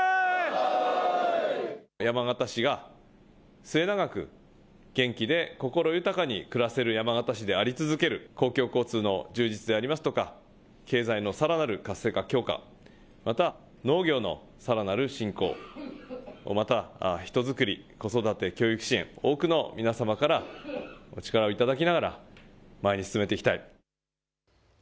山形市が末永く元気で心豊かに暮らせる山形市であり続ける、公共交通の充実でありますとか経済のさらなる活性化、強化、また農業のさらなる振興、また人づくり、子育て、教育支援、多くの皆様からお力を頂きながら前に進めていきたい。